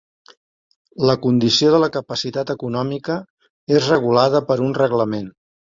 La condició de la capacitat econòmica és regulada per un reglament.